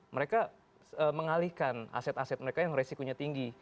mereka mengalihkan aset aset mereka yang resikonya tinggi